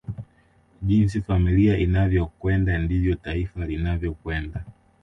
Jinsi familia inavyokwenda ndivyo taifa linavyokwenda